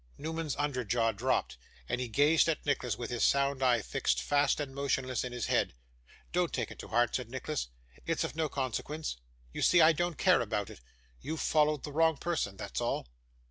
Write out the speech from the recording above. Newman's under jaw dropped, and he gazed at Nicholas, with his sound eye fixed fast and motionless in his head. 'Don't take it to heart,' said Nicholas; 'it's of no consequence; you see I don't care about it; you followed the wrong person, that's all.